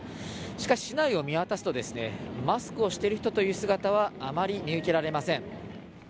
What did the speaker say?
しかし、市内を見渡すと、マスクをしている人という姿はあまり見受けられません。